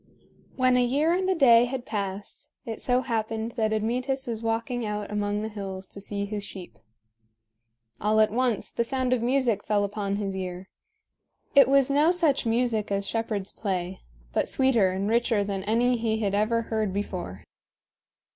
When a year and a day had passed, it so happened that Admetus was walking out among the hills to see his sheep. All at once the sound of music fell upon his ear. It was no such music as shepherds play, but sweeter and richer than any he had ever heard before.